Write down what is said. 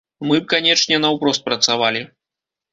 Мы б, канечне, наўпрост працавалі.